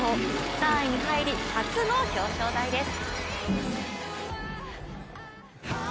３位に入り、初の表彰台です。